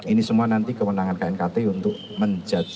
ini semua nanti kewenangan knkt untuk menjudge